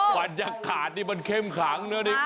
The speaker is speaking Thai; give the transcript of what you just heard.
บรรยากาศนี่มันเข้มขังนะนี่